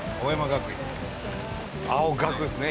青学ですね！